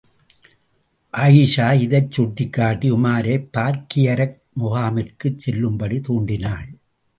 அயீஷா, இதைச் சுட்டிக்காட்டி, உமாரை பார்க்கியருக் முகாமிற்குச் செல்லும்படி தூண்டினாள்.